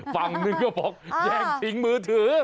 ฝั่งหนึ่งก็บอกแย่งทิ้งมือถือ